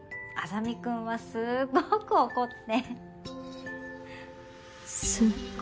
莇君はすごく怒って。